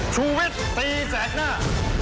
ชวิตตีแสกหน้า